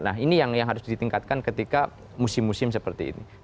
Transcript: nah ini yang harus ditingkatkan ketika musim musim seperti ini